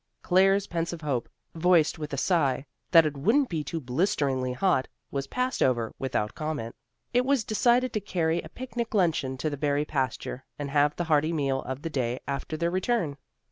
Claire's pensive hope, voiced with a sigh, that it wouldn't be too blisteringly hot, was passed over without comment. It was decided to carry a picnic luncheon to the berry pasture and have the hearty meal of the day after their return.